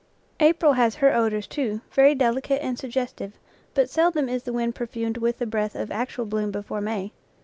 April has her odors, too, very delicate and suggestive, but seldom is the wind perfumed with the breath of actual bloom before May.